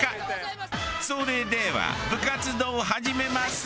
それでは部活動を始めます。